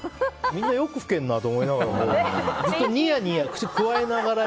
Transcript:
みんなよく吹けるなと思いながら。